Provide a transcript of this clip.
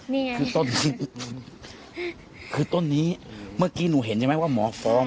นี่ไงคือต้นนี้เมื่อกี้หนูเห็นใช่ไหมว่าหมอฟอร์ม